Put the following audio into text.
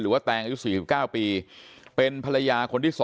หรือว่าแต่งอื่น๔๙ปีเป็นภรรยาคนที่๒